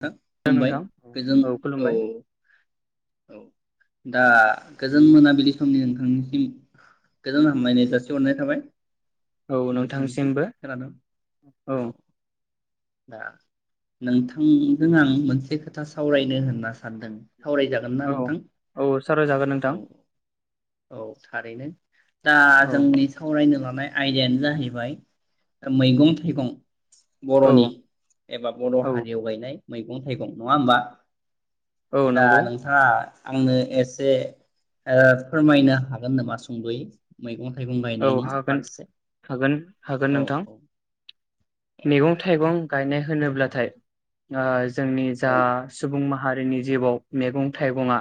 थां हेल' खुलुमबाय नोंथां गोजोन औ औ। दा गोजोन मोनाबिलि समनि नोंथांनिसिम गोजोन हामलायनाय जासिहरनाय थाबाय। औ नोंथांनिसिम नोंथांसिमबो खोनादों औ दा नोंथांजों आं मोनसे खोथा सावरायनो होनना सानदों। सावरायजागोन ना औ नोंथां औ सावराय जागोन औ नोंथां औ थारैनो दा औ जोंनि सावरायनो नाय आयदायानो जाहैबाय मैगं थाइगं बर'नि औ एबा बर' औ हारियाव गायनाय मैगं थाइगं नङा होमबा औ दा नंगौ नोंथाङा आंनो एसे ओ फोरमायनो हागोन नामा सुंद'यै मैगं थाइगं औ गायनायनि हागोन फारसे हागोन हागोन औ नोंथां औ मैगं थाइगं गायनाय थारैनो होनोब्लाथाय ओ जोंनि जा औ सुबुं माहा हारिनि जिबाव मैगं थाइगङा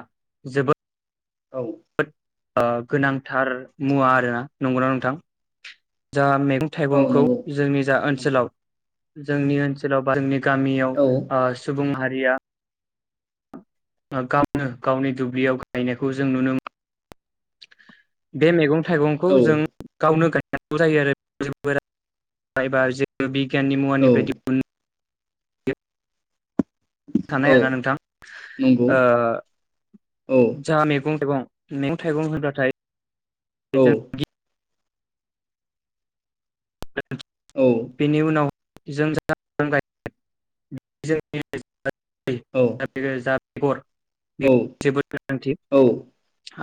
जोबो औ बोद ओ गोनांथार मुवा आरोना नंगौना नोंथां जा मे औ थाइगंखौ नंगौ जोंनि जा ओनसोलाव नंगौ जोंनि ओनसोलाव बारनिट गामियाव औ अ' सुबुं हारि गैया गावनो गावनि दुब्लियाव गायनायखौ जों नुनो मोनो बे मैगं थाइगंखौ जों गावनो गाय गायनांगौ जायो आरो [unintelligible] गियाननि औ मुवानिफ्राय दिहुननो खानाय औ आरो ना नोंथां नंगौ ओ औ जा मेगं थाइगं मेगं थाइगं होनबाथाय औ बेजों गि औ बेनि उनाव जों जा [unintelligible] [unintelligible] औ गर बे औ जोबोद गोनांथि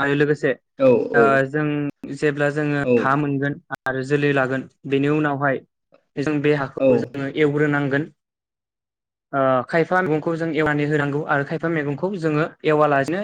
आरो लोगोसे औ आ औ जों जेब्ला जोङो हा औ मोनगोन आरो जोलै लागोन बेनि उनावहाय बे जों बे हाखौबो औ जोङो एवग्रोनांगोन ओ खायफा मेगंखौ जों एवनानै होनांगौ आरो खायफा मेगंखौ जोङो एवालासिनो